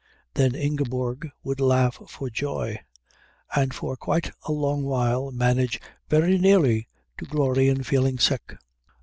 Then Ingeborg would laugh for joy, and for quite a long while manage very nearly to glory in feeling sick.